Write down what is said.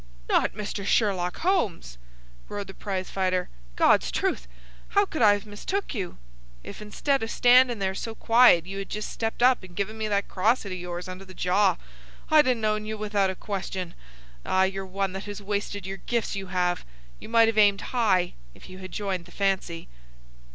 "Not Mr. Sherlock Holmes!" roared the prize fighter. "God's truth! how could I have mistook you? If instead o' standin' there so quiet you had just stepped up and given me that cross hit of yours under the jaw, I'd ha' known you without a question. Ah, you're one that has wasted your gifts, you have! You might have aimed high, if you had joined the fancy."